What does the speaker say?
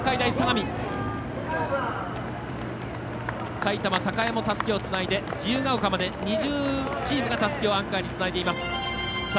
埼玉栄もたすきをつないで自由ケ丘まで２０チームがたすきをアンカーにつないでいます。